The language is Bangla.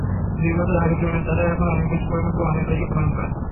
দুই বছর আগের তুলনায় তারা এখন অনেক বেশি পরিণত, অনেক বেশি ভয়ংকর।